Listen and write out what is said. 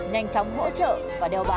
nhanh chóng hỗ trợ và đeo bám